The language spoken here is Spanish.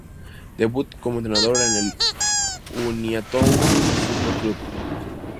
Debutó como entrenador en Uniautónoma Fútbol Club.